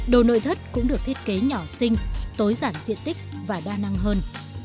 đồ nội thất cũng được thiết kế nhỏ sinh tối giản diện tích và đa năng hơn